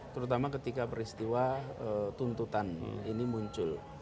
terutama ketika peristiwa tuntutan ini muncul